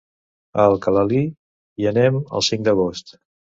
A Alcalalí hi anem el cinc d'agost.